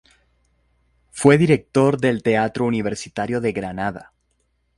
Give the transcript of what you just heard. Fue director del Teatro Universitario de Granada.